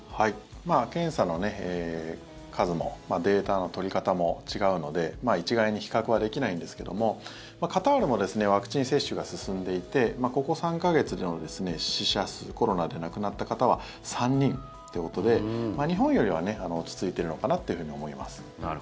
検査の数もデータの取り方も違うので一概に比較はできないんですけどもカタールもワクチン接種が進んでいてここ３か月の死者数コロナで亡くなった方は３人ということで日本よりは落ち着いているのかなというふうに思います。